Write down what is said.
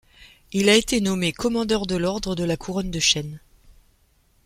Il a été nommé Commandeur de l'Ordre de la Couronne de chêne.